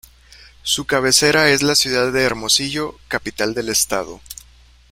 Su cabecera es la ciudad de Hermosillo, capital del estado.